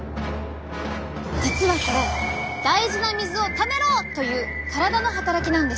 実はこれ大事な水をためろ！という体の働きなんです。